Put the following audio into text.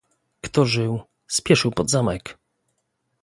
"Kto żył, spieszył pod zamek."